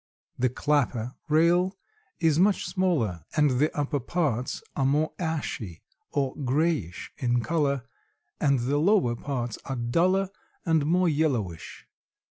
The clapper rail is much smaller and the upper parts are more ashy or grayish in color and the lower parts are duller and more yellowish.